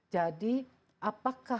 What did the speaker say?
jadi apakah kita itu mengeksplor fasilitas